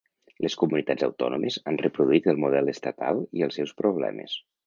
Les comunitats autònomes han reproduït el model estatal i els seus problemes.